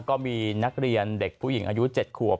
ก็มีนักเรียนเด็กผู้หญิงอายุ๗ขวบ